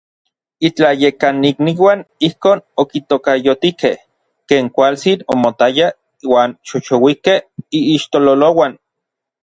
Itlayekanikniuan ijkon okitokayotikej ken kualtsin omotaya uan xoxouikej iixtololouan.